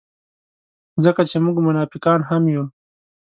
ځکه چې موږ منافقان هم یو.